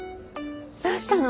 どうしたの？